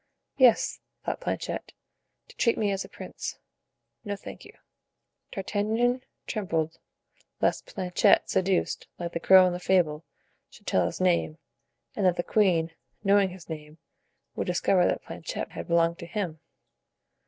"Yes," thought Planchet, "to treat me as a prince. No, thank you." D'Artagnan trembled lest Planchet, seduced, like the crow in the fable, should tell his name, and that the queen, knowing his name, would discover that Planchet had belonged to him.